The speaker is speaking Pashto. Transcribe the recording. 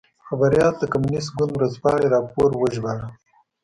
خبریال د کمونېست ګوند ورځپاڼې راپور وژباړه.